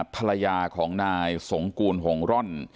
ภรรยาของนายสงกูลหงร่อน